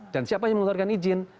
dan siapa yang mengeluarkan izin